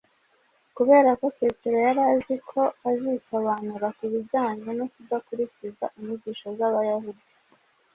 kubera ko Petero yari azi ko azisobanura ku bijyanye no kudakurikiza inyigisho z’Abayahudi.